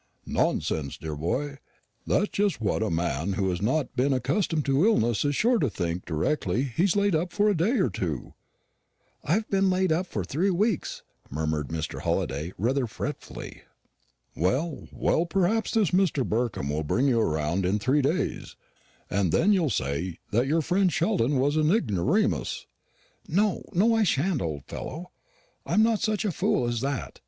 "Nonsense, dear boy; that's just what a man who has not been accustomed to illness is sure to think directly he is laid up for a day or two." "I've been laid up for three weeks," murmured Mr. Halliday rather fretfully. "Well, well, perhaps this Mr. Burkham will bring you round in three days, and then you'll say that your friend Sheldon was an ignoramus." "No, no, I shan't, old fellow; I'm not such a fool as that.